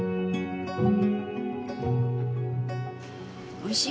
おいしい？